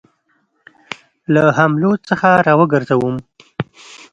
له حملو څخه را وګرځوم.